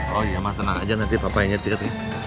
oh iya ma tenang aja nanti papa yang nyetir